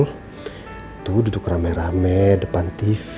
itu duduk rame rame depan tv